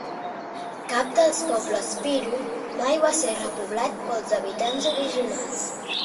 Cap dels pobles Piro mai va ser repoblat pels habitants originals.